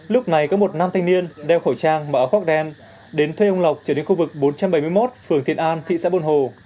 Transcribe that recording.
lúc này có một nam thanh niên đeo khẩu trang mà áo khoác đen đến thuê ông lộc trở đến khu vực bốn trăm bảy mươi một phường thiện an thị xã buôn hồ